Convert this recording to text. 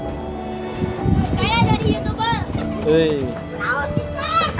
saya ada di situ pak